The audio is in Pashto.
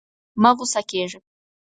مه غوسه کېږه!